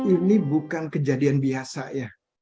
ini bukan kejadian biasa ya